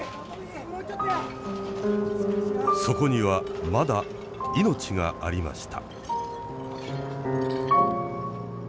そこにはまだ命がありました。